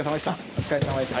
お疲れさまでした。